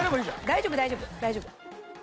大丈夫大丈夫大丈夫。